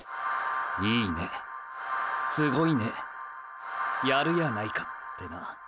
いいねすごいねやるやないかてな。